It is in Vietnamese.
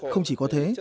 không chỉ có thế